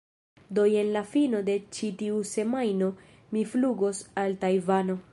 do jen la fino de ĉi tiu semajno mi flugos al Tajvano